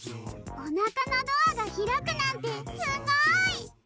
おなかのドアがひらくなんてすごい！